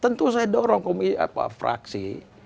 tentu saya dorong fraksi